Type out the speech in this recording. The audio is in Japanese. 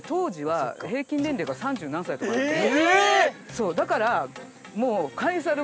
そうだからえ！